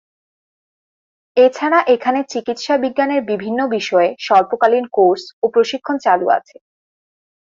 এছাড়া এখানে চিকিৎসাবিজ্ঞানের বিভিন্ন বিষয়ে স্বল্পকালীন কোর্স ও প্রশিক্ষন চালু আছে।